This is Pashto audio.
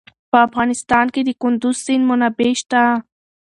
په افغانستان کې د کندز سیند منابع شته.